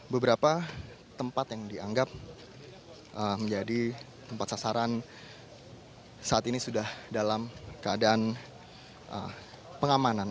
beberapa tempat yang dianggap menjadi tempat sasaran saat ini sudah dalam keadaan pengamanan